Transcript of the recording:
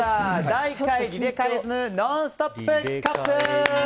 第１回リレカエイズムノンストップカップ！